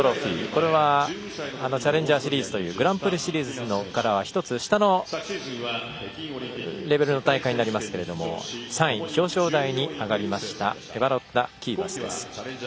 これはチャレンジャーシリーズというグランプリシリーズからは１つ下のレベルの大会になりますが３位、表彰台に上がりましたエバロッタ・キーバスです。